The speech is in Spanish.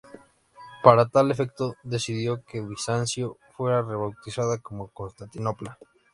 Para tal efecto, decidió que Bizancio fuera rebautizada como Constantinopla.